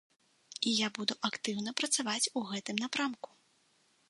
І я буду актыўна працаваць у гэтым напрамку.